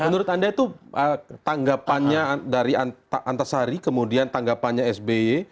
menurut anda itu tanggapannya dari antasari kemudian tanggapannya sby